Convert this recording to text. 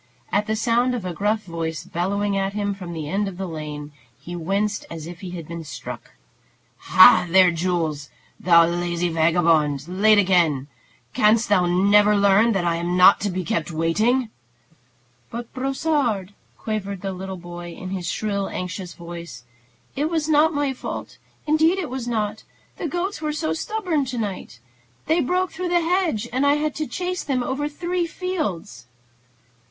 At the sound of a gruff voice bellowing at him from the end of the lane, he winced as if he had been struck. "Ha, there, Jules! Thou lazy vagabond! Late again! Canst thou never learn that I am not to be kept waiting?" "But, Brossard," quavered the boy in his shrill, anxious voice, "it was not my fault, indeed it was not. The goats were so stubborn to night. They broke through the hedge, and I had to chase them over three fields."